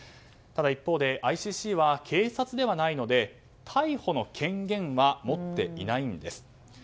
ただ一方でＩＣＣは警察ではないので逮捕の権限は持っていないんです。